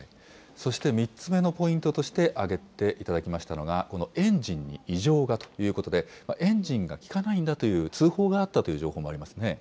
そして３つ目のポイントとして挙げていただきましたのが、このエンジンに異常がということで、エンジンが利かないんだという通報があったという情報もあります